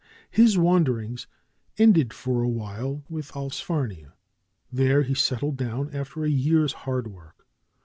His wanderings ended for a while with Allsfarnia. There he settled down after a year's hard work.